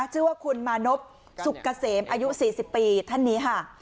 ชื่อว่าคุณมานพสุกเกษมอายุ๔๐ปีท่านนี้ค่ะ